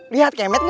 lihat kemet gak